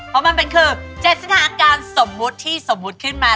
เพราะมันเป็นคือ๗สถานการณ์สมมุติที่สมมุติขึ้นมา